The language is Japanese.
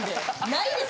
ないです